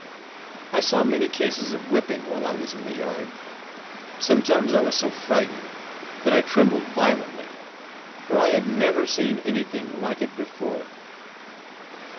I saw many cases of whipping while I was in the yard. Sometimes I was so frightened that I trembled violently, for I had never seen anything like it before.